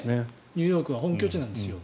ニューヨークは本拠地なんですよ。